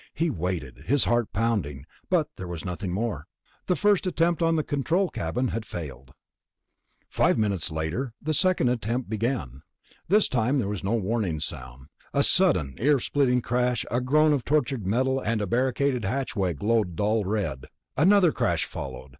He waited, his heart pounding, but there was nothing more. The first attempt on the control cabin had failed. Five minutes later the second attempt began. This time there was no warning sound. A sudden, ear splitting crash, a groan of tortured metal, and the barricaded hatchway glowed dull red. Another crash followed.